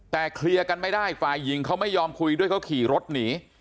แต่เคลียร์กันไม่ได้ฝ่ายหญิงเขาไม่ยอมคุยด้วยเขาขี่รถหนี